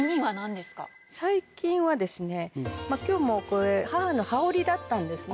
最近はまぁ今日もこれ母の羽織だったんですね。